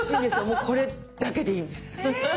もうこれだけでいいんです！え！